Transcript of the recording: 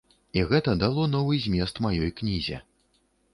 І гэта дало новы змест маёй кнізе.